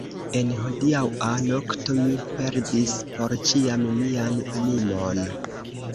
En hodiaŭa nokto mi perdis por ĉiam mian animon!